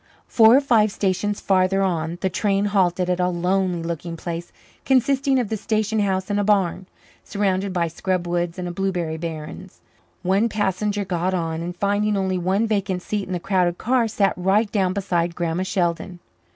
Four or five stations farther on the train halted at a lonely looking place consisting of the station house and a barn, surrounded by scrub woods and blueberry barrens. One passenger got on and, finding only one vacant seat in the crowded car, sat right down beside Grandma Sheldon.